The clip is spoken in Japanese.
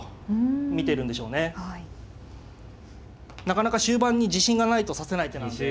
なかなか終盤に自信がないと指せない手なんで。